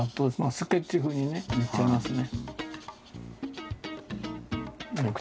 スケッチ風にね塗っちゃいますね。